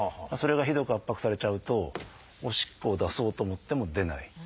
それがひどく圧迫されちゃうとおしっこを出そうと思っても出ない。